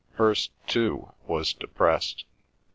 Hirst, too, was depressed.